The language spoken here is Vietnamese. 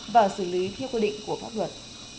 và xử lý thiết quyết định của pháp luật